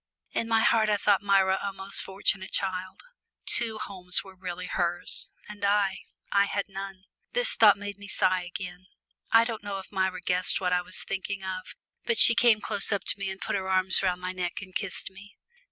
In my heart I thought Myra a most fortunate child two homes were really hers; and I I had none. This thought made me sigh again. I don't know if Myra guessed what I was thinking of, but she came close up to me and put her arms round my neck and kissed me.